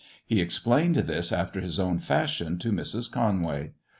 He explained this after his own fashion to Mrs. Conway.